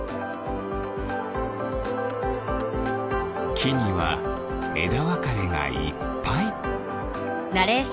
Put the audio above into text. きにはえだわかれがいっぱい。